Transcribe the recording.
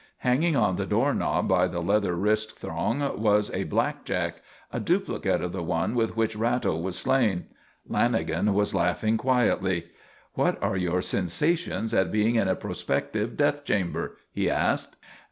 Hanging on the door knob by the leather wrist thong was a blackjack, a duplicate of the one with which Ratto was slain. Lanagan was laughing quietly. "What are your sensations at being in a prospective death chamber?" he asked.